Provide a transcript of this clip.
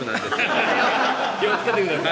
気をつけてください。